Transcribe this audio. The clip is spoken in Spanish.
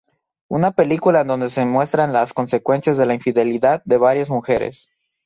Una película en donde se muestran las consecuencias de la infidelidad de varias mujeres.